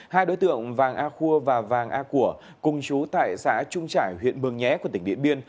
hai đối tượng vàng a khua và vàng a của cùng chú tại xã trung trải huyện mường nhé của tỉnh điện biên